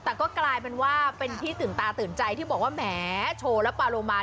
แต่ก็กลายเป็นว่าเป็นที่ตื่นตาตื่นใจที่บอกว่าแหมโชว์แล้วปาโลมา